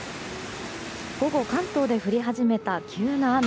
午後、関東で降り始めた急な雨。